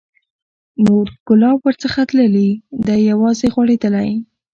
نور ګلاب ورڅخه تللي، دی یوازي غوړېدلی